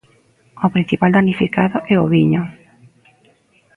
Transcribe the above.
O principal damnificado é o viño.